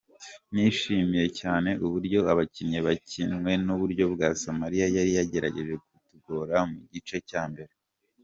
Nishimiye cyane uburyo abakinyi bakinywe nubwo Somalia yari yagerageje kutugora mu gice cya mbere.